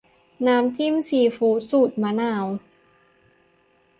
น้ำจิ้มซีฟู้ด สูตรมะนาว